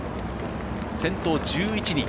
先頭１１人。